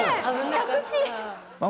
着地。